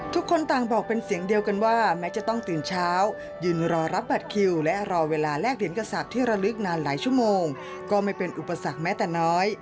ทุกคนต่างบอกเป็นเสียงเดียวกันว่าแม้จะต้องตื่นเช้ายืนรอรับบัตรคิวและรอเวลาแลกเหรียญกษัตริย์ที่ระลึกนานหลายชั่วโมงก็ไม่เป็นอุปสรรคแม้แต่น้อย